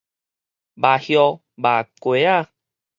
鴟鴞覓雞仔